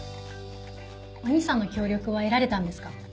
お兄さんの協力は得られたんですか？